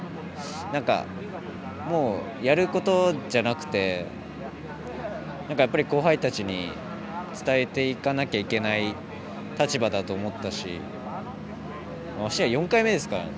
なんか、やることじゃなくて後輩たちに伝えていかなきゃいけない立場だと思ったしましてや４回目ですからね。